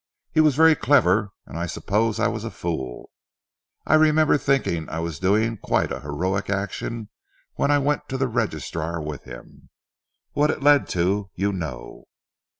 He was very clever and I suppose I was a fool. I remember thinking I was doing quite a heroic action when I went to the registrar with him. What it led to you know."